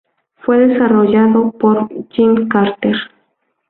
Fue desarrollado por Jim Carter.